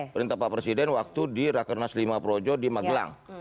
perintah pak presiden waktu di rakernas lima projo di magelang